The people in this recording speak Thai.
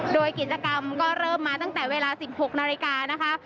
โดยกิจกรรมก็เริ่มมาตั้งแต่เวลา๑๖นาฬิกานะคะ